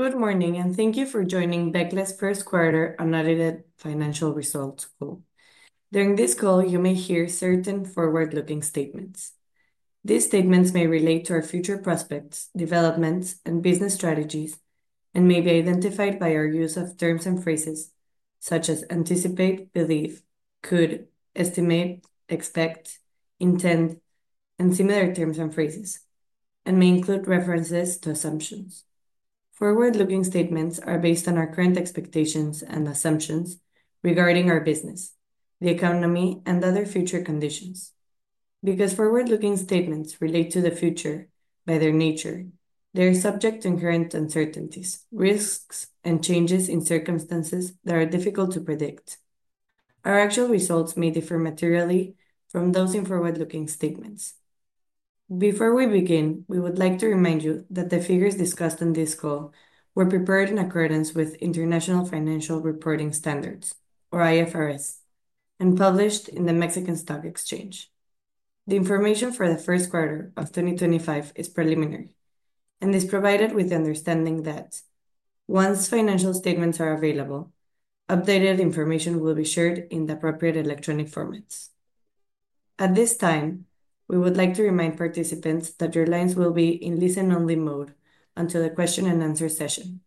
Good morning, and thank you for joining Becle's first quarter unaudited financial results call. During this call, you may hear certain forward-looking statements. These statements may relate to our future prospects, developments, and business strategies, and may be identified by our use of terms and phrases such as anticipate, believe, could, estimate, expect, intend, and similar terms and phrases, and may include references to assumptions. Forward-looking statements are based on our current expectations and assumptions regarding our business, the economy, and other future conditions. Because forward-looking statements relate to the future by their nature, they are subject to current uncertainties, risks, and changes in circumstances that are difficult to predict. Our actual results may differ materially from those in forward-looking statements. Before we begin, we would like to remind you that the figures discussed in this call were prepared in accordance with International Financial Reporting Standards, or IFRS, and published in the Mexican Stock Exchange. The information for the first quarter of 2025 is preliminary, and it's provided with the understanding that once financial statements are available, updated information will be shared in the appropriate electronic formats. At this time, we would like to remind participants that your lines will be in listen-only mode until the question-and-answer session.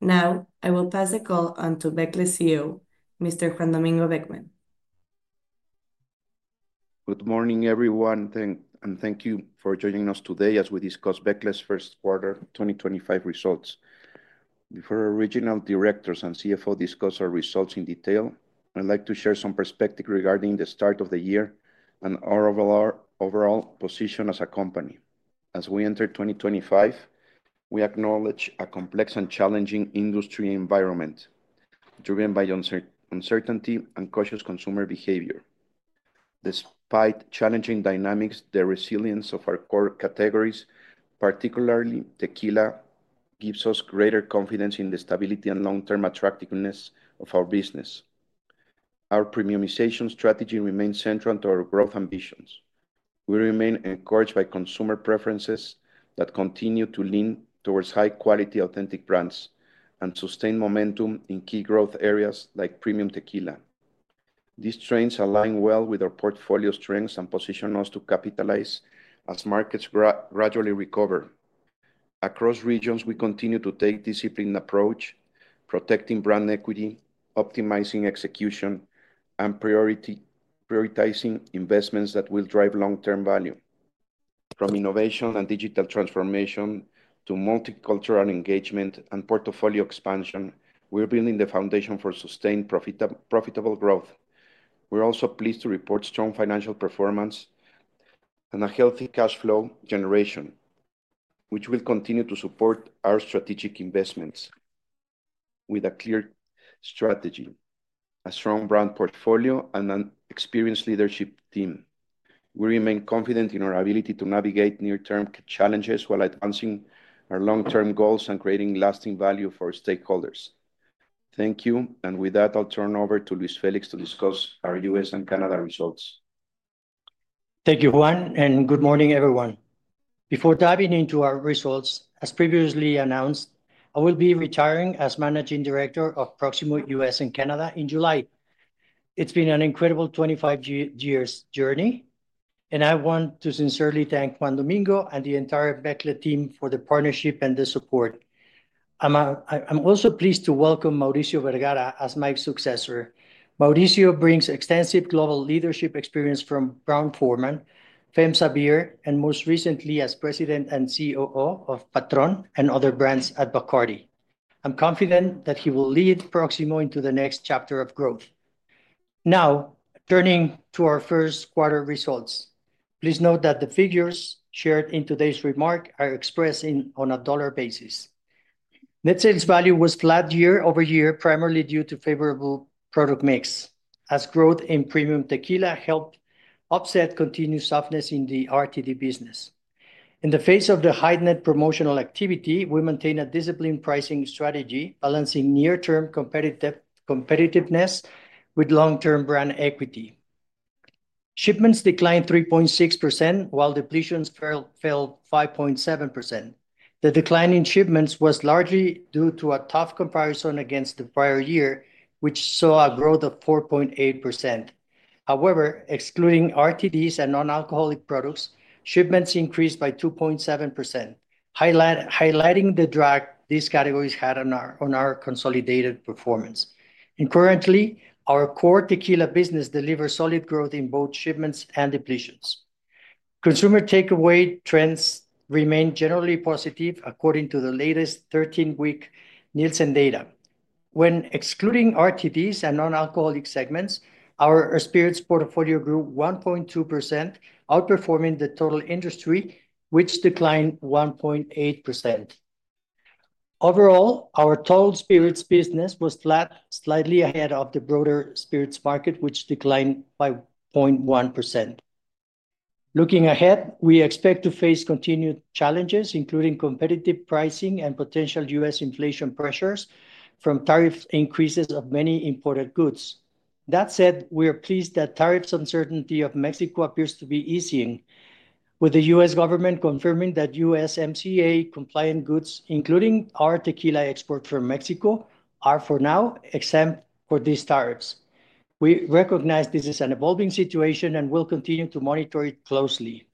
Now, I will pass the call on to Becle's CEO, Mr. Juan Domingo Beckmann. Good morning, everyone, and thank you for joining us today as we discuss Becle's first quarter 2025 results. Before our Regional Directors and CFO discuss our results in detail, I'd like to share some perspectives regarding the start of the year and our overall position as a company. As we enter 2025, we acknowledge a complex and challenging industry environment driven by uncertainty and cautious consumer behavior. Despite challenging dynamics, the resilience of our core categories, particularly tequila, gives us greater confidence in the stability and long-term attractiveness of our business. Our premiumization strategy remains central to our growth ambitions. We remain encouraged by consumer preferences that continue to lean towards high-quality, authentic brands and sustain momentum in key growth areas like premium tequila. These trends align well with our portfolio strengths and position us to capitalize as markets gradually recover. Across regions, we continue to take a disciplined approach, protecting brand equity, optimizing execution, and prioritizing investments that will drive long-term value. From innovation and digital transformation to multicultural engagement and portfolio expansion, we're building the foundation for sustained profitable growth. We're also pleased to report strong financial performance and a healthy cash flow generation, which will continue to support our strategic investments. With a clear strategy, a strong brand portfolio, and an experienced leadership team, we remain confident in our ability to navigate near-term challenges while advancing our long-term goals and creating lasting value for stakeholders. Thank you, and with that, I'll turn over to Luis Félix to discuss our U.S. and Canada results. Thank you, Juan, and good morning, everyone. Before diving into our results, as previously announced, I will be retiring as Managing Director of Proximo U.S. & Canada in July. It has been an incredible 25 years' journey, and I want to sincerely thank Juan Domingo and the entire Becle team for the partnership and the support. I am also pleased to welcome Mauricio Vergara as my successor. Mauricio brings extensive global leadership experience from Brown-Forman, FEMSA Beer, and most recently as President and COO of Patrón and other brands at Bacardí. I am confident that he will lead Proximo into the next chapter of growth. Now, turning to our first quarter results, please note that the figures shared in today's remark are expressed on a dollar basis. Net sales value was flat year-over-year, primarily due to favorable product mix, as growth in premium tequila helped offset continued softness in the RTD business. In the face of the heightened promotional activity, we maintain a disciplined pricing strategy, balancing near-term competitiveness with long-term brand equity. Shipments declined 3.6%, while depletions fell 5.7%. The decline in shipments was largely due to a tough comparison against the prior year, which saw a growth of 4.8%. However, excluding RTDs and non-alcoholic products, shipments increased by 2.7%, highlighting the drag these categories had on our consolidated performance. Currently, our core tequila business delivers solid growth in both shipments and depletions. Consumer takeaway trends remain generally positive, according to the latest 13-week Nielsen data. When excluding RTDs and non-alcoholic segments, our spirits portfolio grew 1.2%, outperforming the total industry, which declined 1.8%. Overall, our total spirits business was flat, slightly ahead of the broader spirits market, which declined by 0.1%. Looking ahead, we expect to face continued challenges, including competitive pricing and potential U.S. inflation pressures from tariff increases of many imported goods. That said, we are pleased that tariff uncertainty of Mexico appears to be easing, with the U.S. government confirming that USMCA-compliant goods, including our tequila export from Mexico, are for now exempt from these tariffs. We recognize this is an evolving situation and will continue to monitor it closely.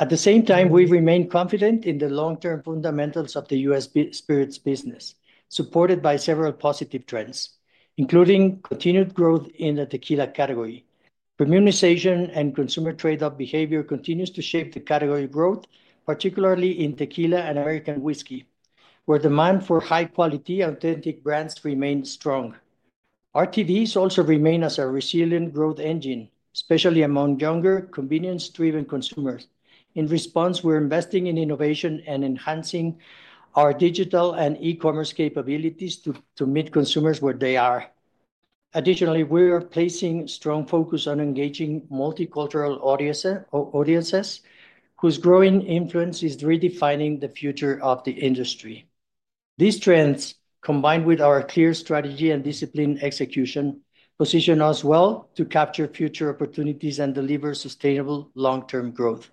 At the same time, we remain confident in the long-term fundamentals of the U.S. spirits business, supported by several positive trends, including continued growth in the tequila category. Premiumization and consumer trade-off behavior continues to shape the category growth, particularly in tequila and American whiskey, where demand for high-quality, authentic brands remains strong. RTDs also remain a resilient growth engine, especially among younger, convenience-driven consumers. In response, we're investing in innovation and enhancing our digital and e-commerce capabilities to meet consumers where they are. Additionally, we are placing a strong focus on engaging multicultural audiences, whose growing influence is redefining the future of the industry. These trends, combined with our clear strategy and disciplined execution, position us well to capture future opportunities and deliver sustainable long-term growth.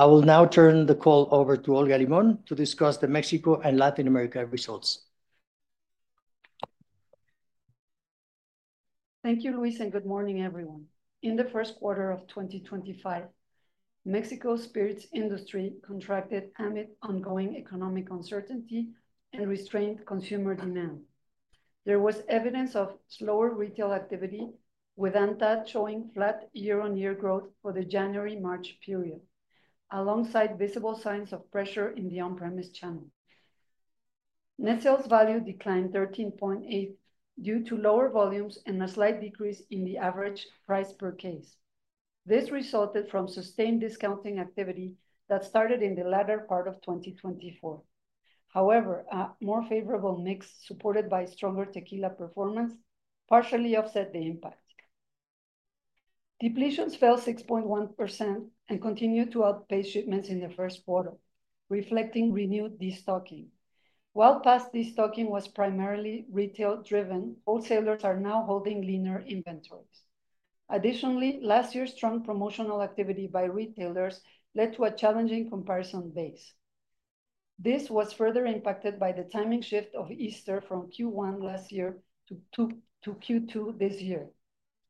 I will now turn the call over to Olga Limón to discuss the Mexico and Latin America results. Thank you, Luis, and good morning, everyone. In the first quarter of 2025, Mexico's spirits industry contracted amid ongoing economic uncertainty and restrained consumer demand. There was evidence of slower retail activity, with ANTAD showing flat year-on-year growth for the January-March period, alongside visible signs of pressure in the on-premise channel. Net sales value declined 13.8% due to lower volumes and a slight decrease in the average price per case. This resulted from sustained discounting activity that started in the latter part of 2024. However, a more favorable mix, supported by stronger tequila performance, partially offset the impact. Depletions fell 6.1% and continued to outpace shipments in the first quarter, reflecting renewed destocking. While past destocking was primarily retail-driven, wholesalers are now holding leaner inventories. Additionally, last year's strong promotional activity by retailers led to a challenging comparison base. This was further impacted by the timing shift of Easter from Q1 last year to Q2 this year,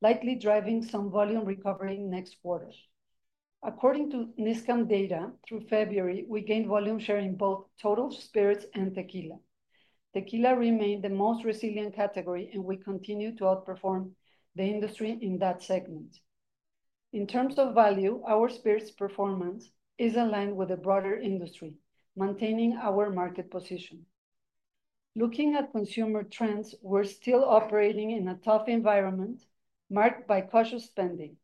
likely driving some volume recovery next quarter. According to Nielsen data, through February, we gained volume share in both total spirits and tequila. Tequila remained the most resilient category, and we continue to outperform the industry in that segment. In terms of value, our spirits performance is aligned with the broader industry, maintaining our market position. Looking at consumer trends, we're still operating in a tough environment marked by cautious spending.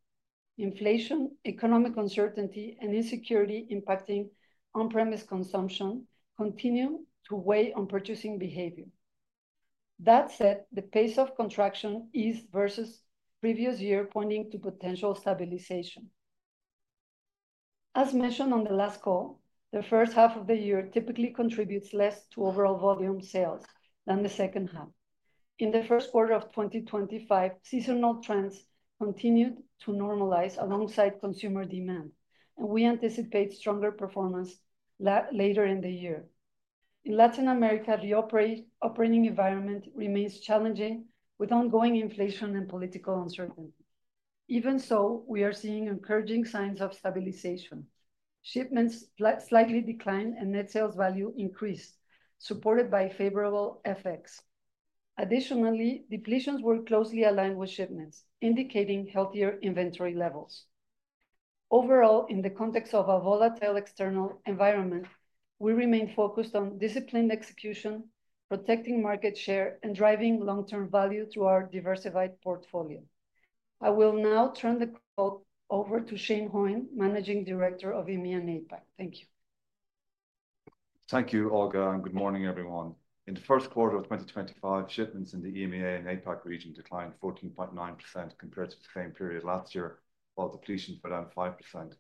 Inflation, economic uncertainty, and insecurity impacting on-premise consumption continue to weigh on purchasing behavior. That said, the pace of contraction is versus previous year, pointing to potential stabilization. As mentioned on the last call, the first half of the year typically contributes less to overall volume sales than the second half. In the first quarter of 2025, seasonal trends continued to normalize alongside consumer demand, and we anticipate stronger performance later in the year. In Latin America, the operating environment remains challenging with ongoing inflation and political uncertainty. Even so, we are seeing encouraging signs of stabilization. Shipments slightly declined and net sales value increased, supported by favorable effects. Additionally, depletions were closely aligned with shipments, indicating healthier inventory levels. Overall, in the context of a volatile external environment, we remain focused on disciplined execution, protecting market share, and driving long-term value through our diversified portfolio. I will now turn the call over to Shane Hoyne, Managing Director of EMEA and APAC. Thank you. Thank you, Olga, and good morning, everyone. In the first quarter of 2025, shipments in the EMEA and APAC region declined 14.9% compared to the same period last year, while depletions were down 5%.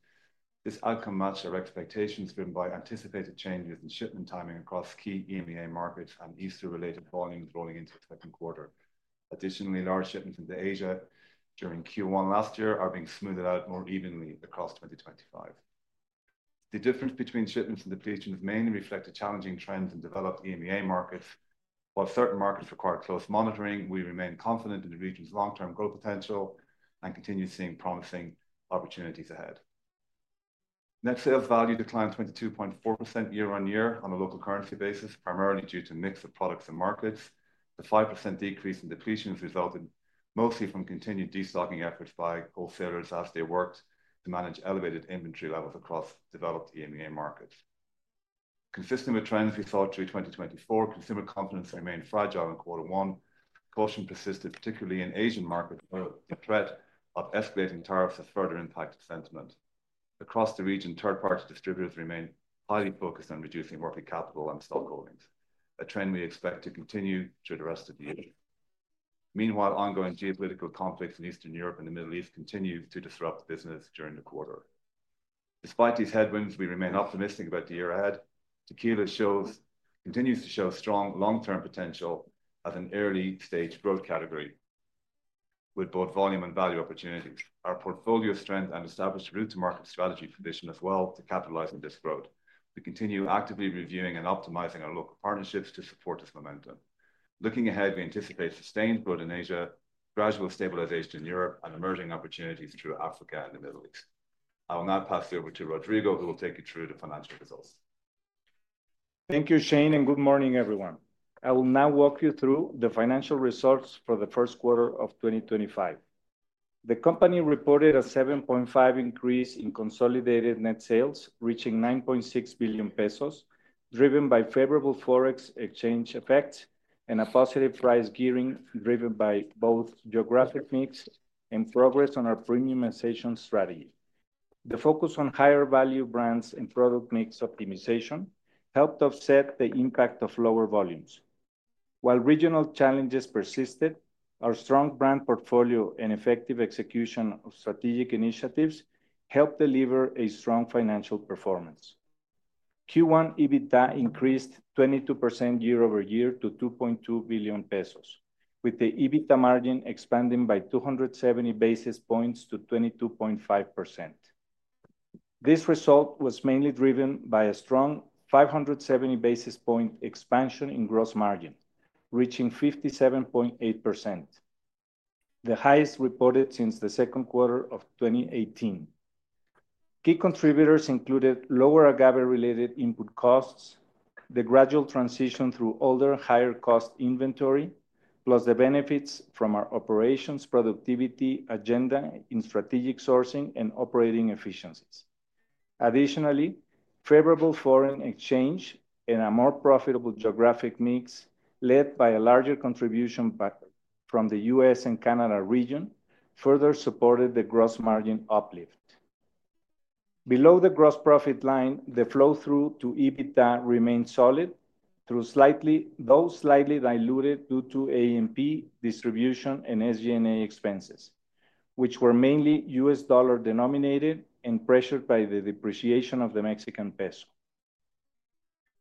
This outcome matched our expectations driven by anticipated changes in shipment timing across key EMEA markets and Easter-related volumes rolling into the second quarter. Additionally, large shipments into Asia during Q1 last year are being smoothed out more evenly across 2025. The difference between shipments and depletions mainly reflects a challenging trend in developed EMEA markets. While certain markets require close monitoring, we remain confident in the region's long-term growth potential and continue seeing promising opportunities ahead. Net sales value declined 22.4% year-on-year on a local currency basis, primarily due to a mix of products and markets. The 5% decrease in depletions resulted mostly from continued destocking efforts by wholesalers as they worked to manage elevated inventory levels across developed EMEA markets. Consistent with trends we saw through 2024, consumer confidence remained fragile in quarter one. Caution persisted, particularly in Asian markets, where the threat of escalating tariffs has further impacted sentiment. Across the region, third-party distributors remain highly focused on reducing working capital and stock holdings, a trend we expect to continue through the rest of the year. Meanwhile, ongoing geopolitical conflicts in Eastern Europe and the Middle East continue to disrupt business during the quarter. Despite these headwinds, we remain optimistic about the year ahead. Tequila continues to show strong long-term potential as an early-stage growth category, with both volume and value opportunities. Our portfolio strength and established route-to-market strategy position us well to capitalize on this growth. We continue actively reviewing and optimizing our local partnerships to support this momentum. Looking ahead, we anticipate sustained growth in Asia, gradual stabilization in Europe, and emerging opportunities through Africa and the Middle East. I will now pass it over to Rodrigo, who will take you through the financial results. Thank you, Shane, and good morning, everyone. I will now walk you through the financial results for the first quarter of 2025. The company reported a 7.5% increase in consolidated net sales, reaching 9.6 billion pesos, driven by favorable foreign exchange effects and a positive price gearing driven by both geographic mix and progress on our premiumization strategy. The focus on higher-value brands and product mix optimization helped offset the impact of lower volumes. While regional challenges persisted, our strong brand portfolio and effective execution of strategic initiatives helped deliver a strong financial performance. Q1 EBITDA increased 22% year-over-year to 2.2 billion pesos, with the EBITDA margin expanding by 270 basis points to 22.5%. This result was mainly driven by a strong 570 basis point expansion in gross margin, reaching 57.8%, the highest reported since the second quarter of 2018. Key contributors included lower agave-related input costs, the gradual transition through older, higher-cost inventory, plus the benefits from our operations productivity agenda in strategic sourcing and operating efficiencies. Additionally, favorable foreign exchange and a more profitable geographic mix, led by a larger contribution from the U.S. and Canada region, further supported the gross margin uplift. Below the gross profit line, the flow-through to EBITDA remained solid, though slightly diluted due to A&P distribution and SG&A expenses, which were mainly U.S. dollar denominated and pressured by the depreciation of the Mexican peso.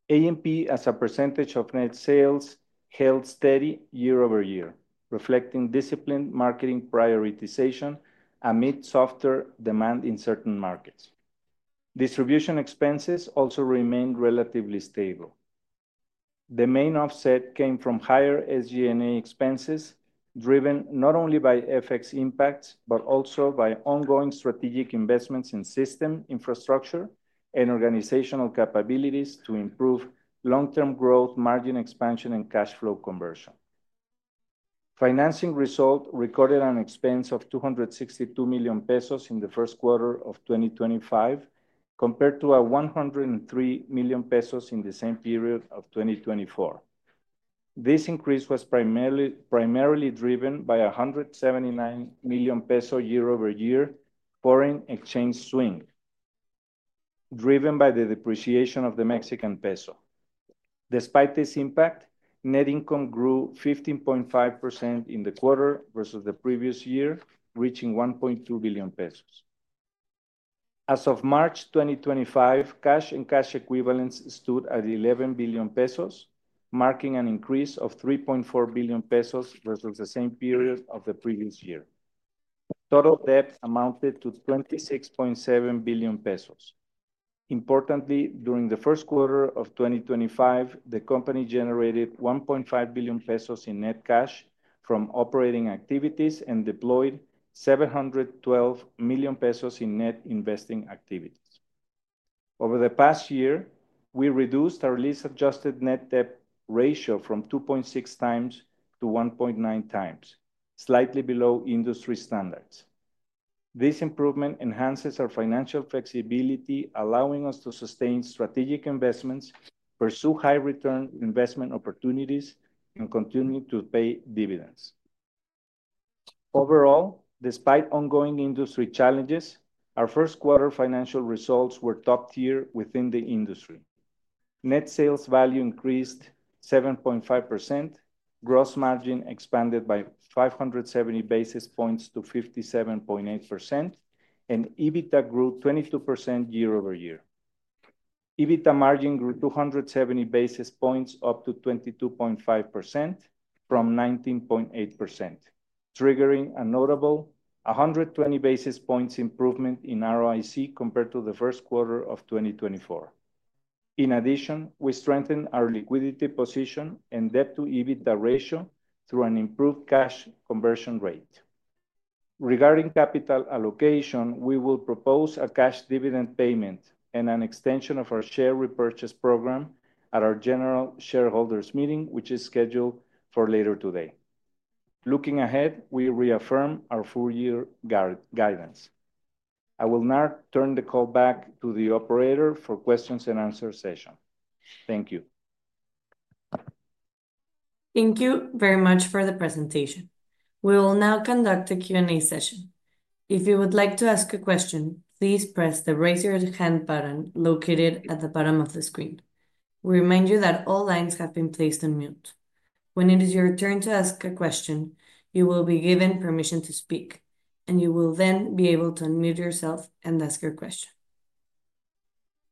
A&P, as a percentage of net sales, held steady year-over-year, reflecting disciplined marketing prioritization amid softer demand in certain markets. Distribution expenses also remained relatively stable. The main offset came from higher SG&A expenses, driven not only by FX impacts but also by ongoing strategic investments in system infrastructure and organizational capabilities to improve long-term growth, margin expansion, and cash flow conversion. Financing result recorded an expense of 262 million pesos in the first quarter of 2025, compared to 103 million pesos in the same period of 2024. This increase was primarily driven by a 179 million peso year-over-year foreign exchange swing, driven by the depreciation of the Mexican peso. Despite this impact, net income grew 15.5% in the quarter versus the previous year, reaching 1.2 billion pesos. As of March 2025, cash and cash equivalents stood at 11 billion pesos, marking an increase of 3.4 billion pesos versus the same period of the previous year. Total debt amounted to 26.7 billion pesos. Importantly, during the first quarter of 2025, the company generated 1.5 billion pesos in net cash from operating activities and deployed 712 million pesos in net investing activities. Over the past year, we reduced our lease-adjusted net debt ratio from 2.6 times to 1.9 times, slightly below industry standards. This improvement enhances our financial flexibility, allowing us to sustain strategic investments, pursue high-return investment opportunities, and continue to pay dividends. Overall, despite ongoing industry challenges, our first quarter financial results were top-tier within the industry. Net sales value increased 7.5%, gross margin expanded by 570 basis points to 57.8%, and EBITDA grew 22% year-over-year. EBITDA margin grew 270 basis points up to 22.5% from 19.8%, triggering a notable 120 basis points improvement in ROIC compared to the first quarter of 2024. In addition, we strengthened our liquidity position and debt-to-EBITDA ratio through an improved cash conversion rate. Regarding capital allocation, we will propose a cash dividend payment and an extension of our share repurchase program at our general shareholders' meeting, which is scheduled for later today. Looking ahead, we reaffirm our full-year guidance. I will now turn the call back to the operator for questions and answers session. Thank you. Thank you very much for the presentation. We will now conduct a Q&A session. If you would like to ask a question, please press the raise your hand button located at the bottom of the screen. We remind you that all lines have been placed on mute. When it is your turn to ask a question, you will be given permission to speak, and you will then be able to unmute yourself and ask your question.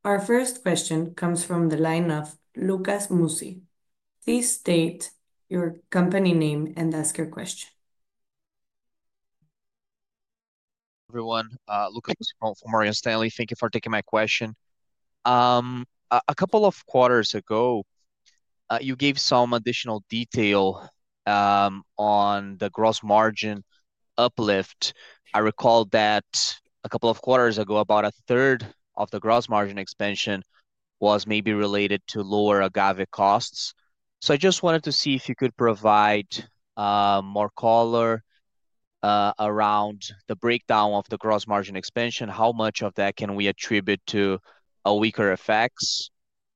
Our first question comes from the line of Lucas Mussi. Please state your company name and ask your question. Everyone, Lucas Mussi from Morgan Stanley. Thank you for taking my question. A couple of quarters ago, you gave some additional detail on the gross margin uplift. I recall that a couple of quarters ago, about a third of the gross margin expansion was maybe related to lower agave costs. I just wanted to see if you could provide more color around the breakdown of the gross margin expansion. How much of that can we attribute to weaker FX,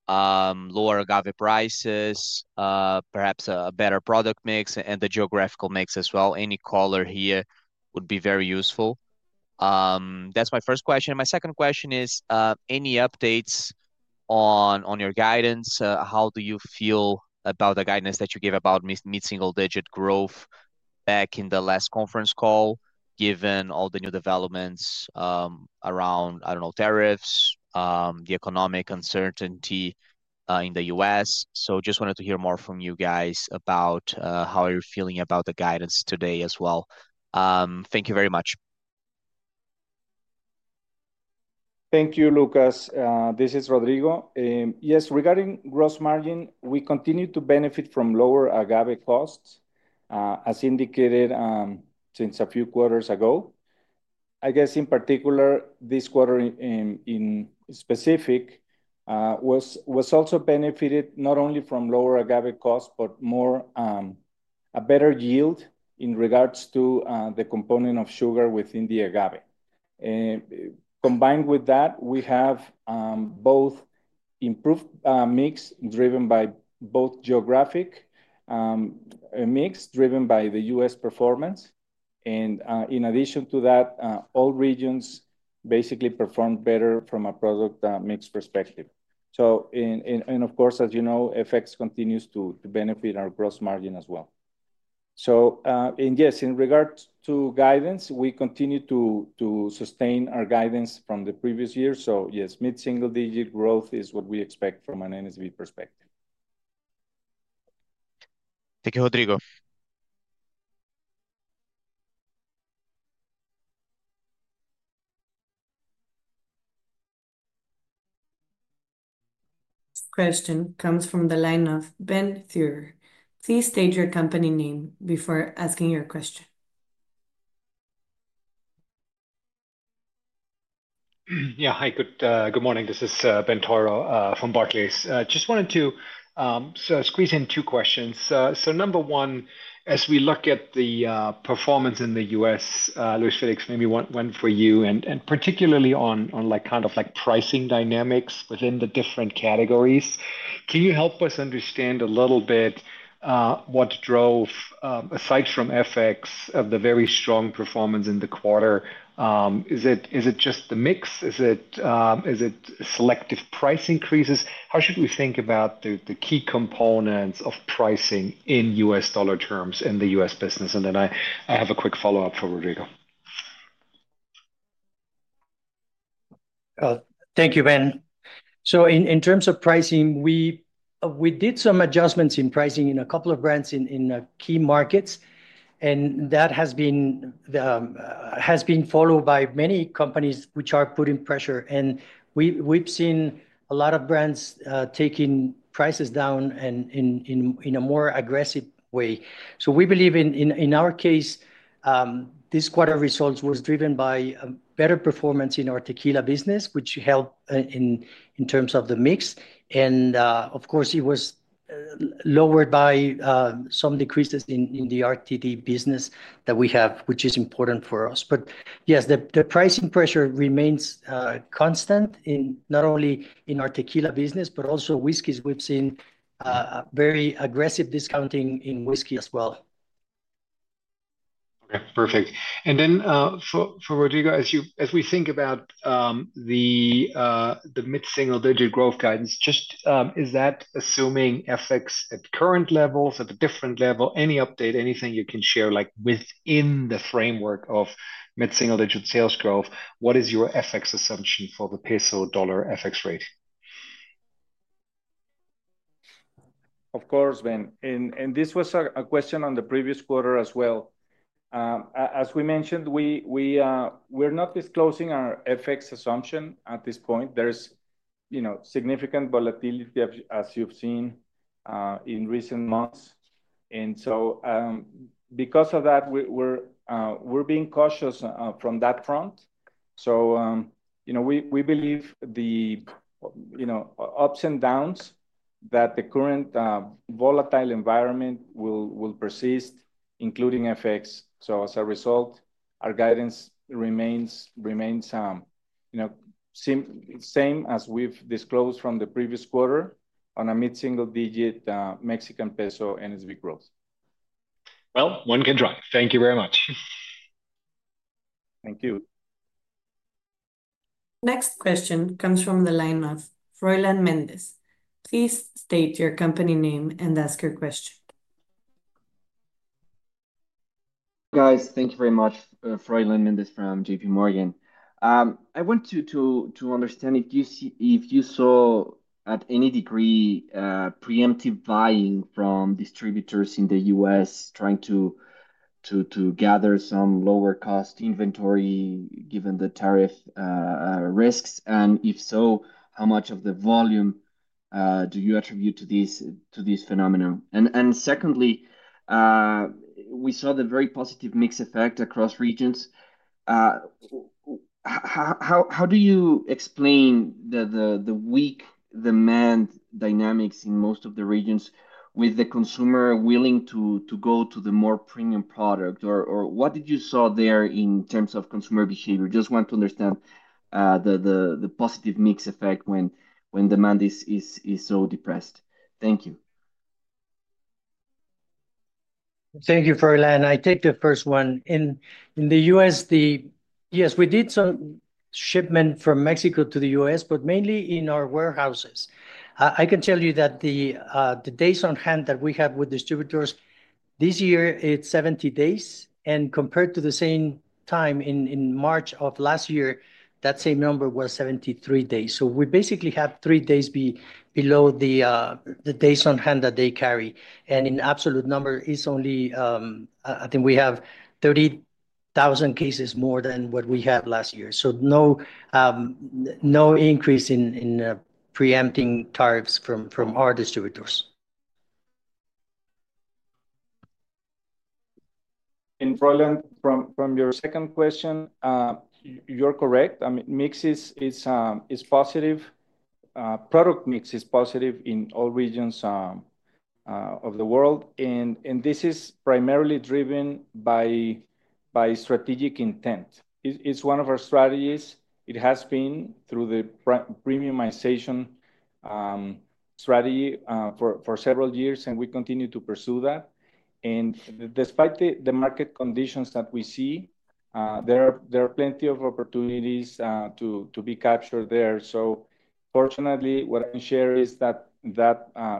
lower agave prices, perhaps a better product mix, and the geographical mix as well? Any color here would be very useful. That's my first question. My second question is, any updates on your guidance? How do you feel about the guidance that you gave about meeting single-digit growth back in the last conference call, given all the new developments around, I don't know, tariffs, the economic uncertainty in the U.S.? I just wanted to hear more from you guys about how you're feeling about the guidance today as well. Thank you very much. Thank you, Lucas. This is Rodrigo. Yes, regarding gross margin, we continue to benefit from lower agave costs, as indicated since a few quarters ago. I guess, in particular, this quarter in specific was also benefited not only from lower agave costs, but a better yield in regards to the component of sugar within the agave. Combined with that, we have both improved mix driven by both geographic mix driven by the U.S. performance. In addition to that, all regions basically performed better from a product mix perspective. Of course, as you know, FX continues to benefit our gross margin as well. Yes, in regards to guidance, we continue to sustain our guidance from the previous year. Yes, mid-single-digit growth is what we expect from an NSV perspective. Thank you, Rodrigo. This question comes from the line of Ben Theurer. Please state your company name before asking your question. Yeah, good morning. This is Ben Theurer from Barclays. Just wanted to squeeze in two questions. Number one, as we look at the performance in the U.S., Luis Felix, maybe one for you, and particularly on kind of like pricing dynamics within the different categories, can you help us understand a little bit what drove, aside from FX, the very strong performance in the quarter? Is it just the mix? Is it selective price increases? How should we think about the key components of pricing in U.S. dollar terms in the U.S. business? I have a quick follow-up for Rodrigo. Thank you, Ben. In terms of pricing, we did some adjustments in pricing in a couple of brands in key markets, and that has been followed by many companies which are putting pressure. We have seen a lot of brands taking prices down in a more aggressive way. We believe in our case, this quarter results was driven by better performance in our tequila business, which helped in terms of the mix. Of course, it was lowered by some decreases in the RTD business that we have, which is important for us. Yes, the pricing pressure remains constant not only in our tequila business, but also whiskeys. We have seen very aggressive discounting in whiskey as well. Okay, perfect. For Rodrigo, as we think about the mid-single-digit growth guidance, is that assuming FX at current levels, at a different level, any update, anything you can share within the framework of mid-single-digit sales growth? What is your FX assumption for the peso dollar FX rate? Of course, Ben. This was a question on the previous quarter as well. As we mentioned, we're not disclosing our FX assumption at this point. There is significant volatility, as you have seen, in recent months. Because of that, we're being cautious from that front. We believe the ups and downs that the current volatile environment will persist, including FX. As a result, our guidance remains the same as we have disclosed from the previous quarter on a mid-single-digit Mexican peso NSV growth. One can try. Thank you very much. Thank you. Next question comes from the line of Froylan Mendez. Please state your company name and ask your question. Guys, thank you very much, Froylan Mendez from JPMorgan. I want to understand if you saw at any degree preemptive buying from distributors in the U.S. trying to gather some lower-cost inventory given the tariff risks. If so, how much of the volume do you attribute to this phenomenon? Secondly, we saw the very positive mix effect across regions. How do you explain the weak demand dynamics in most of the regions with the consumer willing to go to the more premium product? What did you saw there in terms of consumer behavior? I just want to understand the positive mix effect when demand is so depressed. Thank you. Thank you, Froylan. I take the first one. In the U.S., yes, we did some shipment from Mexico to the U.S., but mainly in our warehouses. I can tell you that the days on hand that we have with distributors this year, it's 70 days. Compared to the same time in March of last year, that same number was 73 days. We basically have three days below the days on hand that they carry. In absolute number, I think we have 30,000 cases more than what we had last year. No increase in preempting tariffs from our distributors. Froylan, from your second question, you're correct. Mix is positive. Product mix is positive in all regions of the world. This is primarily driven by strategic intent. It's one of our strategies. It has been through the premiumization strategy for several years, and we continue to pursue that. Despite the market conditions that we see, there are plenty of opportunities to be captured there. Fortunately, what I can share is that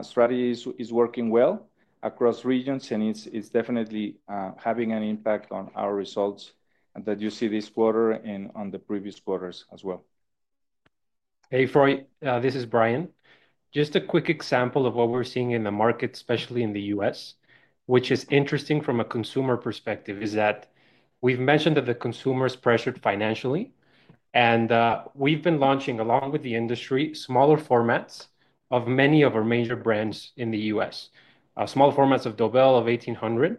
strategy is working well across regions, and it's definitely having an impact on our results that you see this quarter and on the previous quarters as well. Hey, Froy, this is Bryan. Just a quick example of what we're seeing in the market, especially in the U.S., which is interesting from a consumer perspective, is that we've mentioned that the consumer is pressured financially. We've been launching, along with the industry, smaller formats of many of our major brands in the U.S., small formats of Dobel, of 1800.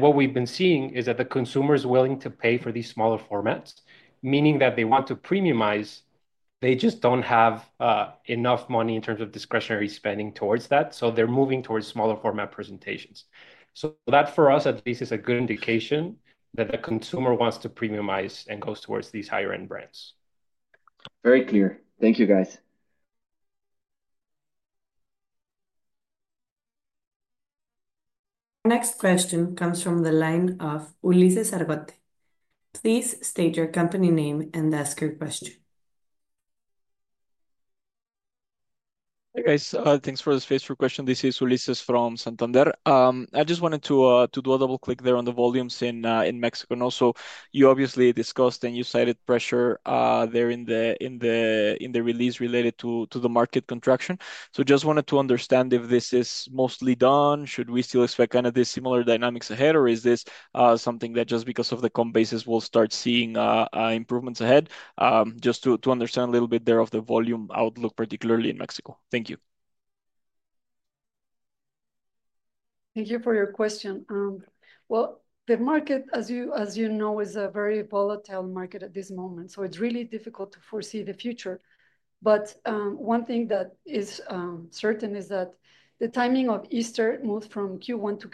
What we've been seeing is that the consumer is willing to pay for these smaller formats, meaning that they want to premiumize. They just don't have enough money in terms of discretionary spending towards that. They're moving towards smaller format presentations. That for us, at least, is a good indication that the consumer wants to premiumize and goes towards these higher-end brands. Very clear. Thank you, guys. Next question comes from the line of Ulises Argote. Please state your company name and ask your question. Hey, guys. Thanks for taking my question. This is Ulises from Santander. I just wanted to do a double-click there on the volumes in Mexico. You obviously discussed and you cited pressure there in the release related to the market contraction. I just wanted to understand if this is mostly done. Should we still expect kind of these similar dynamics ahead, or is this something that just because of the com basis we'll start seeing improvements ahead? Just to understand a little bit there of the volume outlook, particularly in Mexico. Thank you. Thank you for your question. The market, as you know, is a very volatile market at this moment. It is really difficult to foresee the future. One thing that is certain is that the timing of Easter moved from Q1 to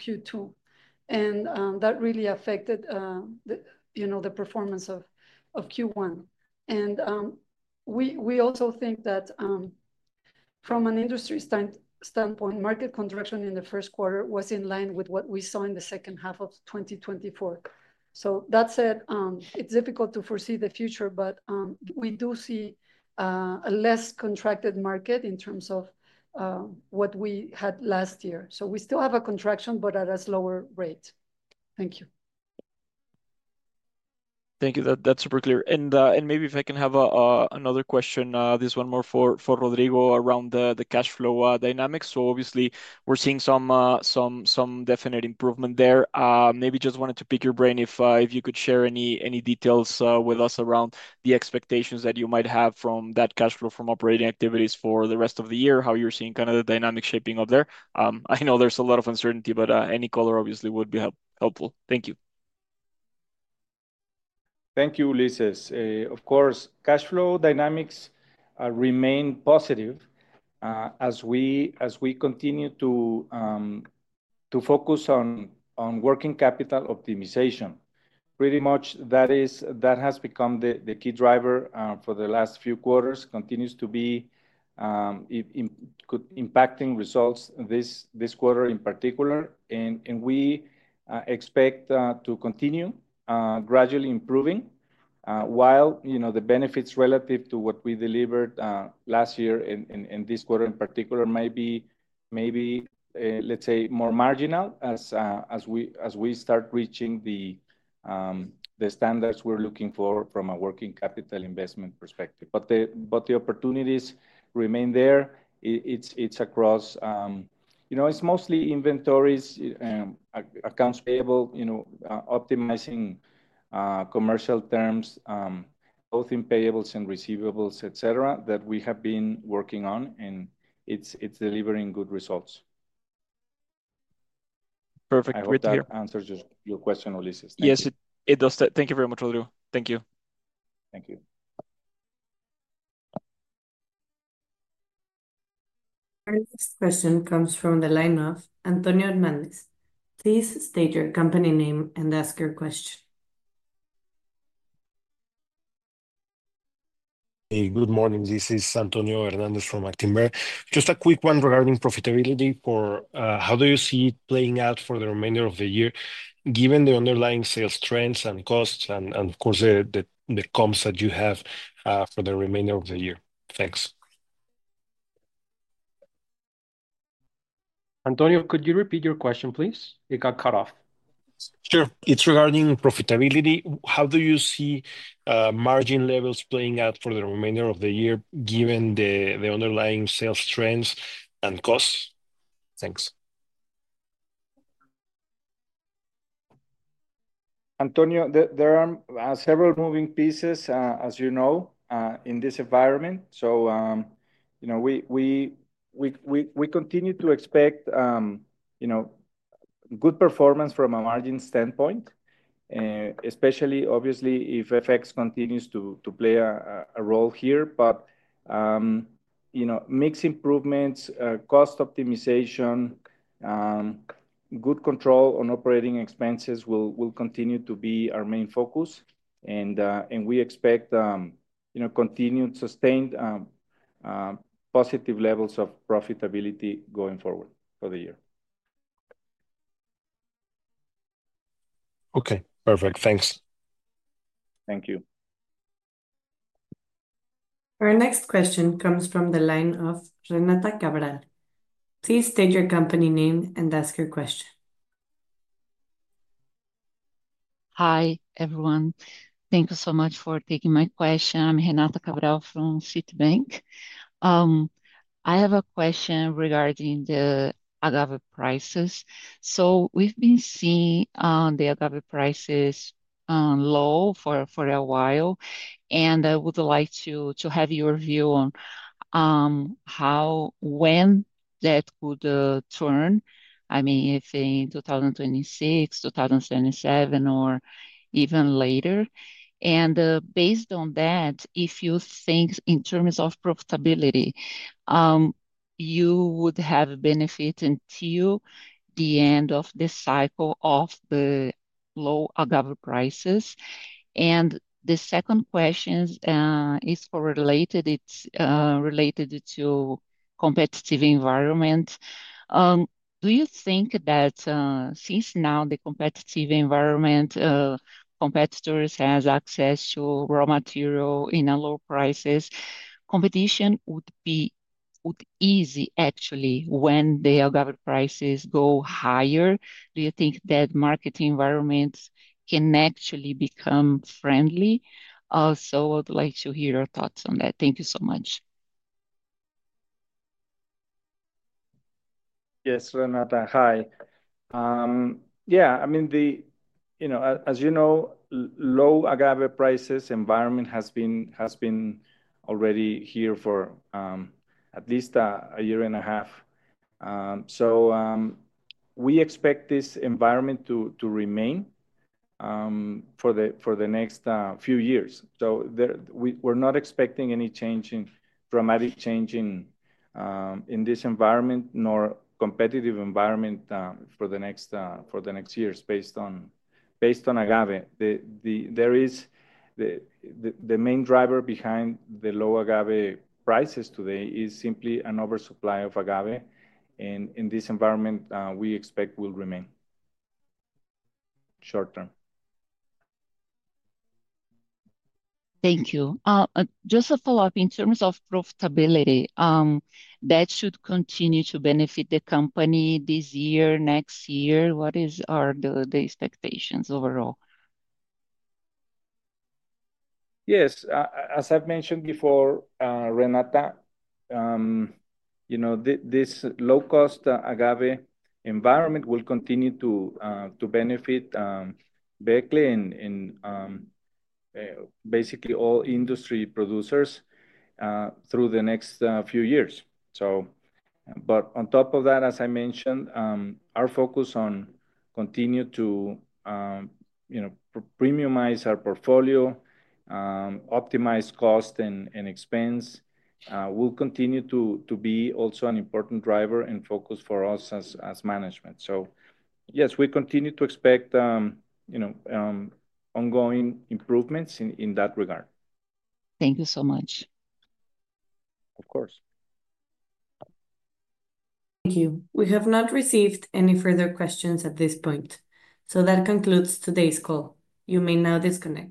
Q2. That really affected the performance of Q1. We also think that from an industry standpoint, market contraction in the first quarter was in line with what we saw in the second half of 2024. That said, it is difficult to foresee the future, but we do see a less contracted market in terms of what we had last year. We still have a contraction, but at a slower rate. Thank you. Thank you. That's super clear. Maybe if I can have another question, this one more for Rodrigo around the cash flow dynamics. Obviously, we're seeing some definite improvement there. Maybe just wanted to pick your brain if you could share any details with us around the expectations that you might have from that cash flow from operating activities for the rest of the year, how you're seeing kind of the dynamic shaping of there. I know there's a lot of uncertainty, but any color obviously would be helpful. Thank you. Thank you, Ulises. Of course, cash flow dynamics remain positive as we continue to focus on working capital optimization. Pretty much that has become the key driver for the last few quarters, continues to be impacting results this quarter in particular. We expect to continue gradually improving while the benefits relative to what we delivered last year and this quarter in particular may be, let's say, more marginal as we start reaching the standards we're looking for from a working capital investment perspective. The opportunities remain there. It's across mostly inventories, accounts payable, optimizing commercial terms, both in payables and receivables, et cetera, that we have been working on. It's delivering good results. Perfect. Great to hear. I hope that answers your question, Ulises. Yes, it does. Thank you very much, Rodrigo. Thank you. Thank you. Our next question comes from the line of Antonio Hernández. Please state your company name and ask your question. Hey, good morning. This is Antonio Hernández from Actinver. Just a quick one regarding profitability. How do you see it playing out for the remainder of the year given the underlying sales trends and costs and, of course, the comms that you have for the remainder of the year? Thanks. Antonio, could you repeat your question, please? It got cut off. Sure. It's regarding profitability. How do you see margin levels playing out for the remainder of the year given the underlying sales trends and costs? Thanks. Antonio, there are several moving pieces, as you know, in this environment. We continue to expect good performance from a margin standpoint, especially, obviously, if FX continues to play a role here. Mixed improvements, cost optimization, good control on operating expenses will continue to be our main focus. We expect continued sustained positive levels of profitability going forward for the year. Okay. Perfect. Thanks. Thank you. Our next question comes from the line of Renata Cabral. Please state your company name and ask your question. Hi, everyone. Thank you so much for taking my question. I'm Renata Cabral from Citibank. I have a question regarding the agave prices. We've been seeing the agave prices low for a while. I would like to have your view on how, when that could turn, I mean, if in 2026, 2027, or even later. And based on that, if you think in terms of profitability, you would have benefit until the end of the cycle of the low agave prices. The second question is related to competitive environment. Do you think that since now the competitive environment, competitors have access to raw material in low prices, competition would be easy, actually, when the agave prices go higher? Do you think that market environments can actually become friendly? I would like to hear your thoughts on that. Thank you so much. Yes, Renata. Hi. Yeah. I mean, as you know, low agave prices environment has been already here for at least a year and a half. We expect this environment to remain for the next few years. We're not expecting any dramatic change in this environment nor competitive environment for the next years based on agave. The main driver behind the low agave prices today is simply an oversupply of agave. In this environment, we expect will remain short term. Thank you. Just a follow-up. In terms of profitability, that should continue to benefit the company this year, next year. What are the expectations overall? Yes. As I've mentioned before, Renata, this low-cost agave environment will continue to benefit Becle and basically all industry producers through the next few years. On top of that, as I mentioned, our focus on continue to premiumize our portfolio, optimize cost and expense will continue to be also an important driver and focus for us as management. Yes, we continue to expect ongoing improvements in that regard. Thank you so much. Of course. Thank you. We have not received any further questions at this point. That concludes today's call. You may now disconnect.